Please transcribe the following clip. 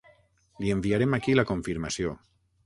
Li enviarem aquí la confirmació.